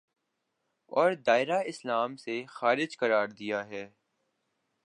اور دائرۂ اسلام سے خارج قرار دیا ہے